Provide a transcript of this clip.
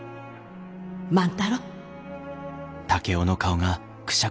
万太郎。